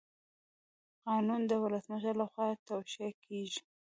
قانون د ولسمشر لخوا توشیح کیږي.